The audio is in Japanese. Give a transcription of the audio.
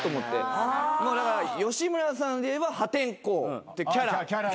吉村さんでいえば破天荒ってキャラ。